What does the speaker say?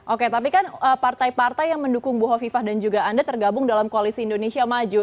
oke tapi kan partai partai yang mendukung bu hovifah dan juga anda tergabung dalam koalisi indonesia maju